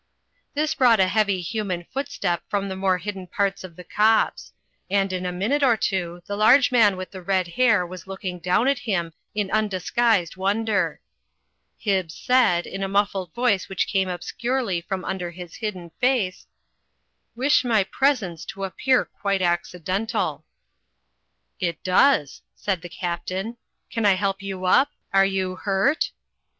This brought a heavy human footstep from the more hidden parts of the copse ; and in a minute or two the large man with the red hair was looking down at him in undisguised wonder. Hibbs said, in a muffled voice which came obscurely from under his hidden face, "Wish my presence to appear quite accidental." "It does," said the Captain, "can I help you up? Are you hurt?"